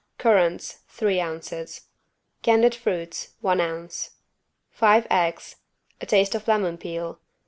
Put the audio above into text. Currants, three ounces. Candied fruits, one ounce. Five eggs. A taste of lemon peel.